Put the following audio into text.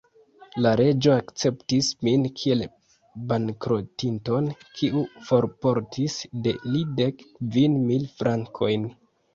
La Reĝo akceptis min kiel bankrotinton, kiu forportis de li dek kvin mil frankojn.